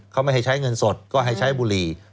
เขาไม่ให้ใช้เงินสดก็ให้ใช้บุหรี่